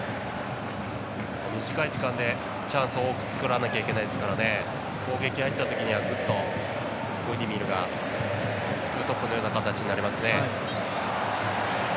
短い時間でチャンスを多く作らないといけないですから攻撃が入ったときには、ぐっとブディミルがツートップのような形になりますね。